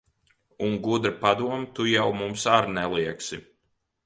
Un gudra padoma tu jau mums ar neliegsi.